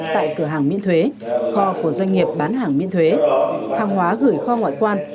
tại cửa hàng miễn thuế kho của doanh nghiệp bán hàng miễn thuế hàng hóa gửi kho ngoại quan